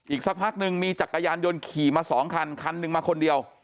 สักพักหนึ่งมีจักรยานยนต์ขี่มาสองคันคันหนึ่งมาคนเดียว